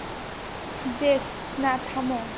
JS, না, থামো।